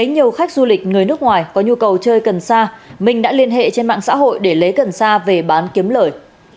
nếu người nước ngoài có nhu cầu chơi cần sa mình đã liên hệ trên mạng xã hội để lấy cần sa về bán kiếm lợi